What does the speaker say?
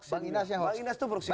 bang inas itu proksi hoax